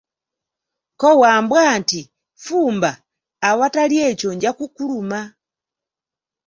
Ko Wambwa nti, fumba, awatali ekyo nja kukuluma.